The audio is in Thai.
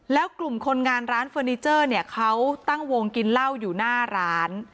แล้วกลุ่มคนงานร้านเฟอร์นิเจอร์เนี่ยเขาตั้งวงกินเหล้าอยู่หน้าร้าน